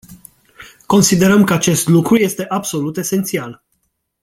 Considerăm că acest lucru este absolut esențial.